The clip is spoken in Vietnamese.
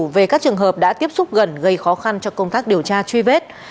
về các trường hợp đã tiếp xúc gần gây khó khăn cho công tác điều tra truy vết